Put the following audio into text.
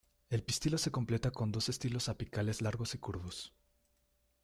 El pistilo se completa con dos estilos apicales largos y curvos.